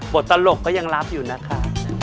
ตลกก็ยังรับอยู่นะคะ